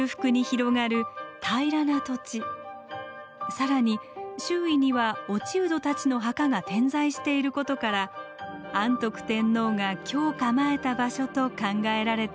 更に周囲には落人たちの墓が点在していることから安徳天皇が居を構えた場所と考えられているそうです。